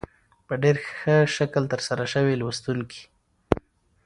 په ډېر ښه شکل تر سره شوې لوستونکي